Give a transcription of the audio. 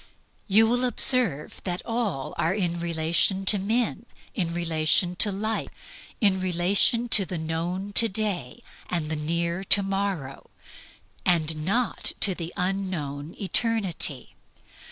You will observe that all are in relation to men, in relation to life, in relation to the known to day and the near to morrow, and not to the unknown eternity.